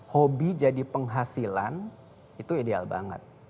hobi jadi penghasilan itu ideal banget